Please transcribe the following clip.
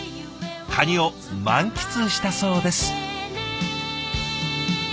カニを満喫したそうです。